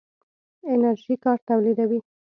انرژي کار تولیدوي.